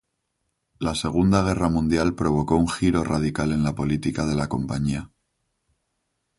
La Segunda Guerra Mundial provocó un giro radical en la política de la compañía.